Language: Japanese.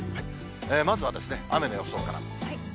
まずはですね、雨の予想から。